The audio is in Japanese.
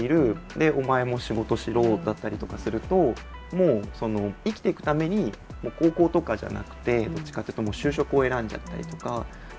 でお前も仕事しろだったりとかするともう生きていくために高校とかじゃなくてどっちかというともう就職を選んじゃったりとか。